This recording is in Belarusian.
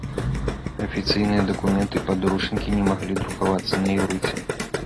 Афіцыйныя дакументы і падручнікі не маглі друкавацца на іўрыце.